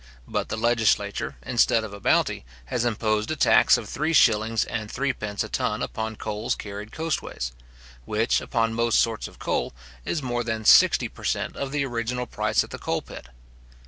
But the legislature, instead of a bounty, has imposed a tax of three shillings and threepence a ton upon coals carried coastways; which, upon most sorts of coal, is more than sixty per cent. of the original price at the coal pit.